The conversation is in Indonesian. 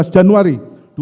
satu januari dua ribu sepuluh